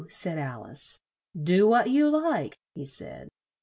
said Al ice. "Do what you like," he said.